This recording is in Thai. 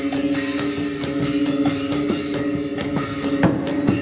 สวัสดีสวัสดี